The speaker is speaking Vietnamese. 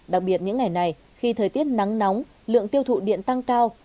đặc biệt những ngày này khi thời tiết nắng nóng lượng tiêu thụ điện tăng cao